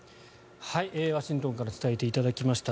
ワシントンから伝えていただきました。